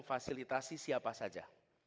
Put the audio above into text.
memfasilitasi siapa saja